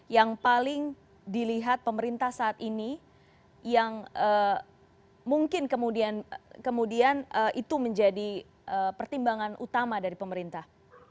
yang paling dilihat pemerintah saat ini yang mungkin kemudian itu menjadi pertimbangan utama dari pemerintah